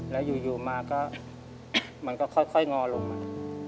แล้วอยู่มาก็มันก็ค่อยงอลงมา